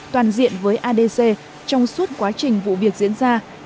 toàn diện với adc trong suốt quá trình vụ việc diễn ra